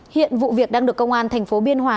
hiện vụ việc đang được công an thành phố biên hòa